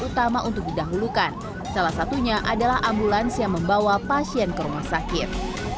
utama untuk didahulukan salah satunya adalah ambulans yang membawa pasien ke rumah sakit